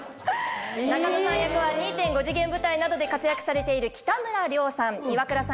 中野さん役は２．５次元舞台などで活躍されている北村諒さん。